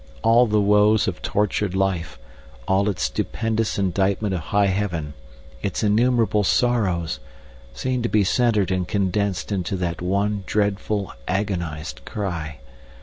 All the woes of tortured life, all its stupendous indictment of high heaven, its innumerable sorrows, seemed to be centered and condensed into that one dreadful, agonized cry.